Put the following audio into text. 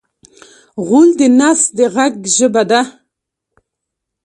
غول د نس د غږ ژبه ده.